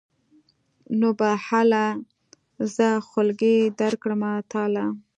نو به هله زه خولګۍ درکړمه تاله.